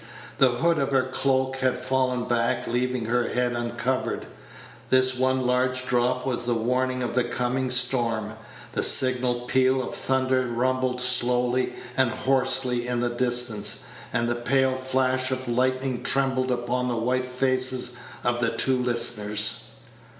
The hood of her cloak had fallen back, leaving her head uncovered. This one large drop was the warning of the coming storm. The signal peal of thunder rumbled slowly and hoarsely in the distance, and a pale flash of lightning trembled upon the white faces of the two listeners.